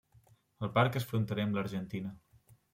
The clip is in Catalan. El parc és fronterer amb l'Argentina.